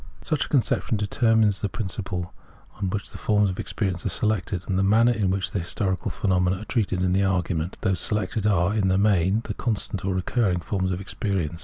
Such a conception determines the principle on which the forms of experience are selected, and the manner in which historical phenomena are treated in the argument. Those selected are, in the main, the constant or recurrent forms of experience.